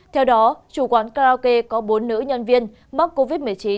theo đó chủ quán karaoke có bốn nữ nhân viên mắc covid một mươi chín